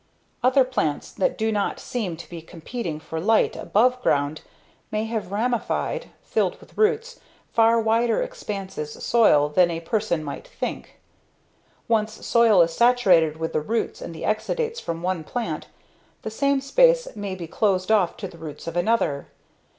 Other plants that do not seem to be competing for light above ground may have ramified (filled with roots) far wider expanses soil than a person might think. Once soil is saturated with the roots and the exudates from one plant, the same space may be closed off to the roots of another.